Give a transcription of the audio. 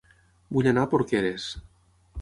Vull anar a Porqueres